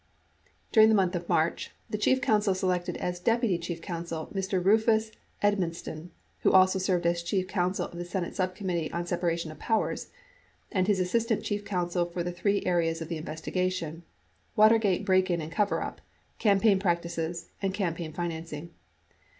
During the month of March, the chief counsel selected as deputy chief counsel Mr. Rufus Edmisten (who also served as chief counsel of the Senate Subcommittee on Separation of Powers) and his assistant chief counsel for the three areas of the investigation — Watergate break in and coverup, campaign practices, and campaign financing.